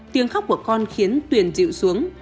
tiếng khóc của con khiến tuyền dịu xuống